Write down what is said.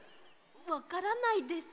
わからないですか。